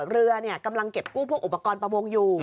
เรือกำลังเก็บกู้พวกอุปกรณ์ประมงอยู่